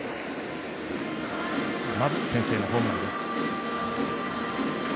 まず、先制のホームランです。